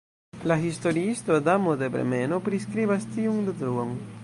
La historiisto Adamo de Bremeno priskribas tiun detruon.